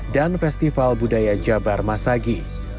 dan festival budaya jabar masagi